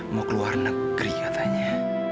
mau keluar negeri katanya